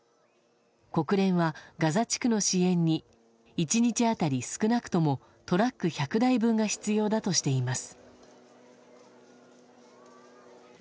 国連は、ガザ地区の支援に１日当たり少なくともトラック１００台分が必要だとしています。